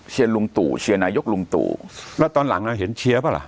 ลุงตู่เชียร์นายกลุงตู่แล้วตอนหลังเราเห็นเชียร์ป่ะล่ะ